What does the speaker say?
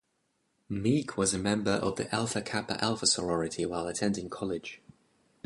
Meek was a member of the Alpha Kappa Alpha sorority while attending college.